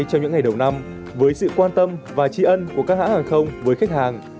trong những ngày đầu năm với sự quan tâm và tri ân của các hãng hàng không với khách hàng